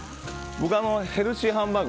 僕はヘルシーハンバーグ。